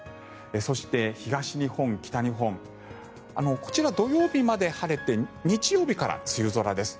そして、東日本、北日本こちら土曜日まで晴れて日曜日から梅雨空です。